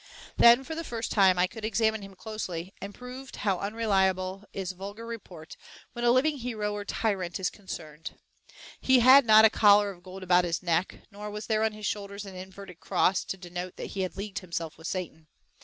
Then for the first time I could examine him closely, and proved how unreliable is vulgar report when a living hero or tyrant is concerned. He had not a collar of gold about his neck, nor was there on his shoulders an inverted cross to denote that he had leagued himself with Satan.